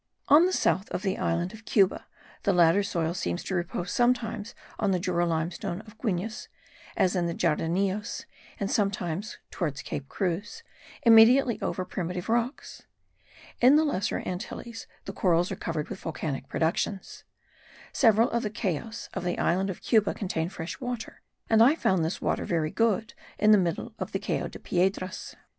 On the south of the island of Cuba, the latter soil seems to repose sometimes on the Jura limestone of Guines, as in the Jardinillos, and sometimes (towards Cape Cruz) immediately over primitive rocks. In the lesser Antilles the corals are covered with volcanic productions. Several of the Cayos of the island of Cuba contain fresh water; and I found this water very good in the middle of the Cayo de Piedras.